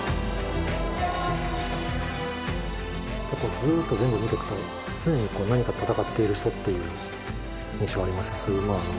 ずっと全部見てくと常に何か戦っている人っていう印象がありますね。